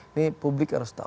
ini publik harus tahu